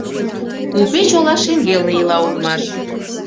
Купеч ола шеҥгелне ила улмаш.